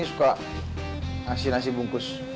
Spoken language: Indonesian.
suka nasi nasi bungkus